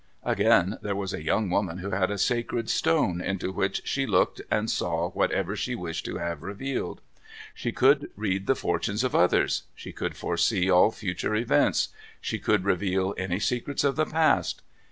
Again, there was a young woman who had a sacred stone into which she looked and saw whatever she wished to have revealed. She could read the fortunes of others. She could foresee all future events. She could reveal any secrets of the past.